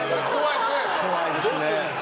怖いですね！